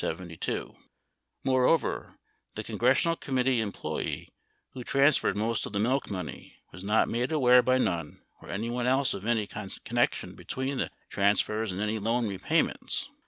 28 Moreover, the congressional committee employee who transferred most of the milk money was not made aware by Nunn or anyone else of any con nection between the transfers and any loan repayments.